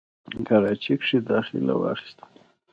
کراچۍ کښې داخله واخسته،